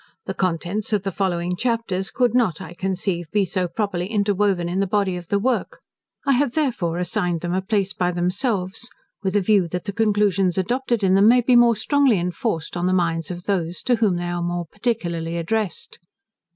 The contents of the following chapters could not, I conceive, be so properly interwoven in the body of the work; I have, therefore, assigned them a place by themselves, with a view that the conclusions adopted in them may be more strongly enforced on the minds of those, to whom they are more particularly addressed.